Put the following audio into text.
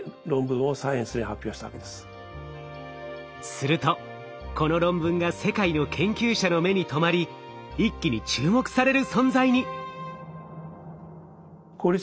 するとこの論文が世界の研究者の目に留まり一気に注目される存在に。